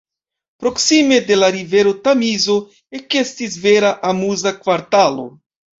Proksime de la rivero Tamizo ekestis vera amuza kvartalo.